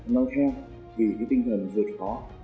nâng theo vì cái tinh thần rượt khó